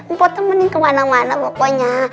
mpo temenin kemana mana pokonya